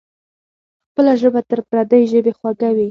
خپله ژبه تر پردۍ ژبې خوږه وي.